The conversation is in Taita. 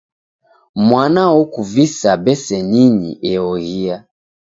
Mwana okuvisa beseninyi eoghia.